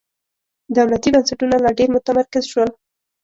دولتي بنسټونه لا ډېر متمرکز شول.